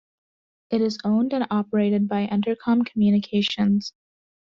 It is owned and operated by Entercom Communications.